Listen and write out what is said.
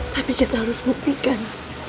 tapi kita harus buktikan